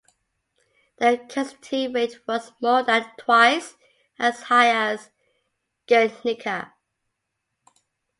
The casualty rate was more than twice as high as Guernica.